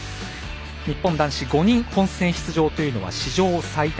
日本男子５人本戦出場というのは史上最多